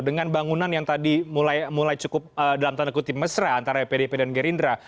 dengan bangunan yang tadi mulai cukup dalam tanda kutip mesra antara pdip dan gerindra